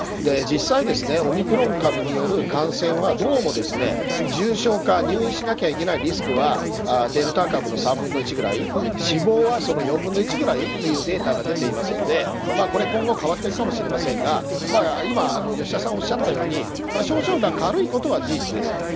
実際、オミクロン株による感染はどうも重症化入院しなきゃいけないリスクはデルタ株の３分の１ぐらい死亡はその４分の１ぐらいというデータが出ていますので、今後は変わっていくかもしれませんが吉田さんがおっしゃったように症状が軽いことは事実です。